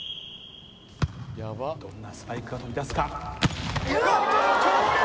どんなスパイクが飛び出すかおっと強烈！